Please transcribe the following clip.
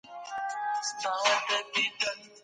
موږ بايد د خپلي مځکي دپاره کار وکړو.